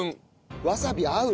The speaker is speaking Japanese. わさび合う。